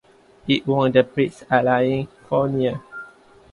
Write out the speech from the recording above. It won the Prix Alain Fournier.